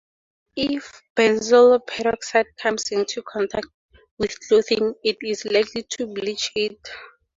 If benzoyl peroxide comes into contact with clothing it is likely to bleach it.